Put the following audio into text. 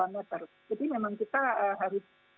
dua meter jadi memang kita harus